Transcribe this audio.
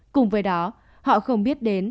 cùng với đó họ không biết đến